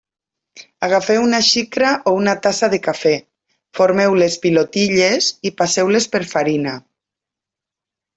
Agafeu una xicra o una tassa de cafè, formeu les pilotilles i passeu-les per farina.